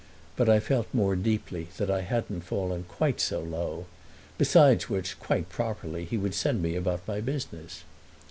But I felt more deeply that I hadn't fallen quite so low—besides which, quite properly, he would send me about my business.